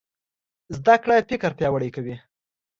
زده کړه فکر پیاوړی کوي.